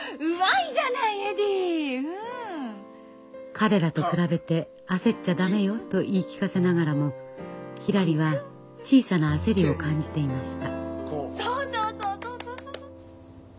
彼らと比べて焦っちゃ駄目よと言い聞かせながらもひらりは小さな焦りを感じていました。